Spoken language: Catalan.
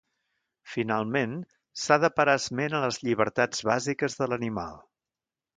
Finalment s'ha de parar esment a les llibertats bàsiques de l'animal.